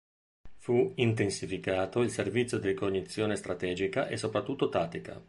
Fu intensificato il servizio di ricognizione strategica e soprattutto tattica.